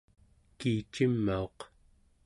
kiicimauq